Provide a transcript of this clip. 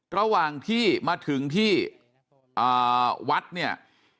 ระหว่างที่มาถึงที่วัดเนี่ย